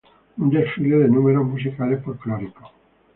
Un desfile de números musicales folclóricos.